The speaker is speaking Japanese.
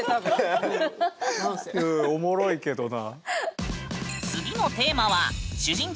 うんおもろいけどな。